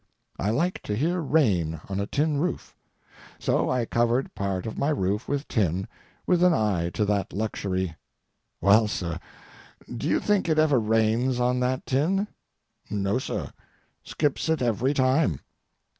I like to hear rain on a tin roof. So I covered part of my roof with tin, with an eye to that luxury. Well, sir, do you think it ever rains on that tin? No, sir; skips it every time.